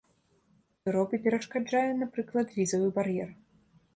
Еўропы перашкаджае, напрыклад, візавы бар'ер.